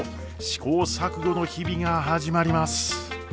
試行錯誤の日々が始まります。